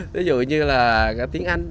ví dụ như là tiếng anh